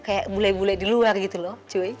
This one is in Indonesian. kayak bule bule di luar gitu loh